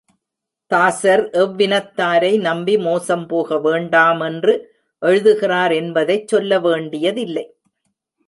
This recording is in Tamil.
தாசர் எவ்வினத்தாரை நம்பி மோசம் போக வேண்டாமென்று எழுதுகிறார் என்பதைச் சொல்ல வேண்டியதில்லை.